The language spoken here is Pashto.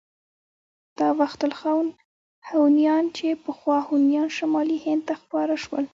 دا وخت الخون هونيان چې پخوا هونيان شمالي هند ته خپاره شول.